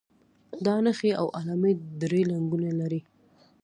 دا نښې او علامې درې رنګونه لري.